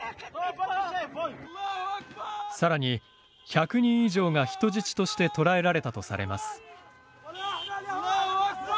さらに１００人以上が人質として捕らえられたとされます。